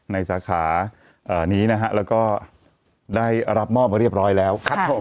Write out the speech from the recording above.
ในสาขานี้นะครับแล้วก็ได้รับมอบมาเรียบร้อยแล้ว